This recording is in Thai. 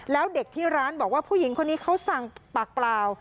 แล้วเด็กที่ร้านบอกว่าผู้หญิงคนนี้เขาสั่งปากเปล่า